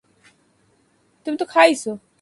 মিশেলের সাথে থাকলে আমি একজন ভালে মানুষ হতে পারি।